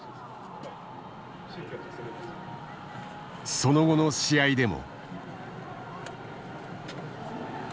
その後の試合でも。